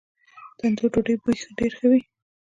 د تندور ډوډۍ بوی ډیر ښه وي.